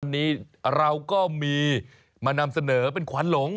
วันนี้เราก็มีมานำเสนอเป็นขวัญหลง